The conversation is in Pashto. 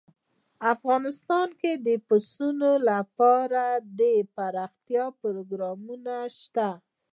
افغانستان کې د پسونو لپاره دپرمختیا پروګرامونه شته.